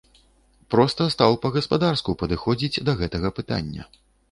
Проста стаў па-гаспадарску падыходзіць да гэтага пытання.